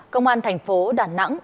công an thành phố đà nẵng